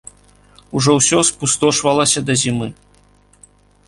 Ужо ўсё спустошвалася да зімы.